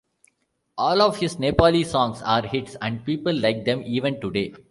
All of his Nepali songs are hits and people like them even today.